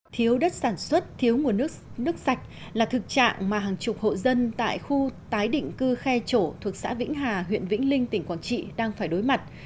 thiếu đất sản xuất thiếu nguồn nước nước sạch là thực trạng mà hàng chục hộ dân tại khu tái định cư khe chỗ thuộc xã vĩnh hà huyện vĩnh linh tỉnh quảng trị đang phải đối mặt